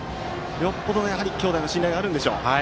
兄弟の信頼があるんでしょう。